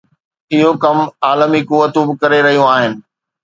اهو ڪم عالمي قوتون به ڪري رهيون آهن.